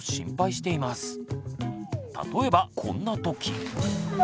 例えばこんなとき。